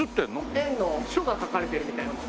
円の書が書かれてるみたいなものです。